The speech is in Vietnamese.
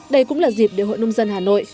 đây cũng là dịp để hội nông dân hà nội